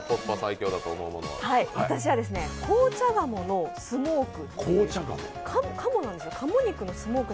私は紅茶鴨のスモーク。